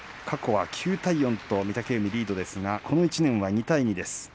過去は９対４と御嶽海がリードですが、この１年は２対２です。